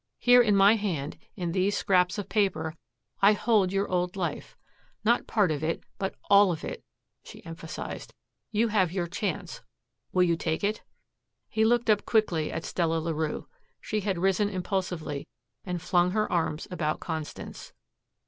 Here in my hand, in these scraps of paper, I hold your old life, not part of it, but ALL of it," she emphasized. "You have your chance. Will you take it?" He looked up quickly at Stella Larue. She had risen impulsively and flung her arms about Constance.